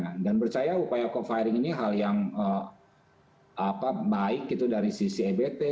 dan menurut saya upaya co firing ini hal yang baik dari sisi ebt